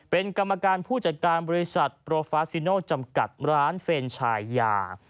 เป็นกรรมการผู้จัดการบริษัทโปรฟาซิโนจำกัดร้านเฟรนชายา